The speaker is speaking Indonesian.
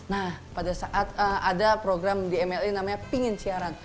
nah pada saat ada program di mli namanya pingin siaran